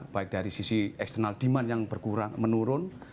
baik dari sisi eksternal demand yang menurun